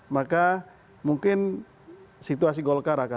maka mungkin situasi golkar itu bisa berjalan mulus